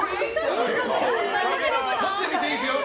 持ってみていいですよ。